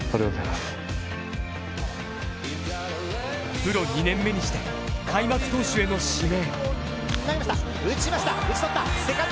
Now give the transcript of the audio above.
プロ２年目にして開幕投手への指名。